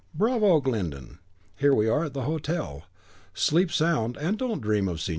"Bravo, Glyndon! Here we are at the hotel. Sleep sound, and don't dream of Signor Zanoni."